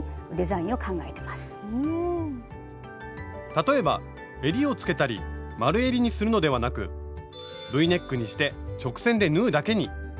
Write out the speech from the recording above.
例えばえりをつけたり丸えりにするのではなく「Ｖネック」にして直線で縫うだけに。